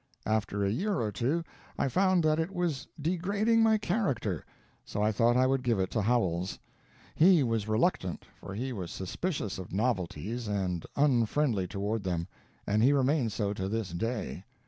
After a year or two I found that it was degrading my character, so I thought I would give it to Howells. He was reluctant, for he was suspicious of novelties and unfriendly toward them, and he remains so to this day.